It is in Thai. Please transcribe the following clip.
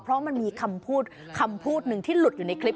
เพราะมันมีคำพูดที่หลุดอยู่ในคลิป